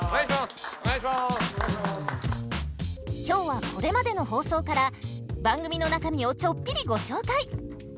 今日はこれまでの放送から番組の中身をちょっぴりご紹介。